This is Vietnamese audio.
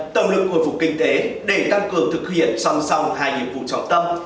tổng lực hồi phục kinh tế để tăng cường thực hiện song song hai nhiệm vụ trọng tâm